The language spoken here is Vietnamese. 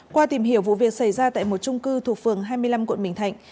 qua tìm hiểu vụ việc xảy ra tại một trung cư thuộc phường hai mươi năm quận bình thạnh